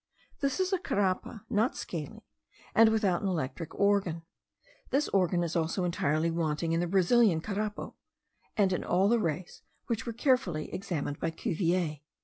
This is a Carapa, not scaly, and without an electric organ. This organ is also entirely wanting in the Brazilian Carapo, and in all the rays which were carefully examined by Cuvier.)